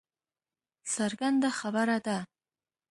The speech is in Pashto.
څرګنده خبره ده